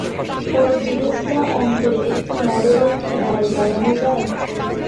পুরো জিনিসটা অঙ্কের একটি মডেলে কি দাঁড় করানো যায়?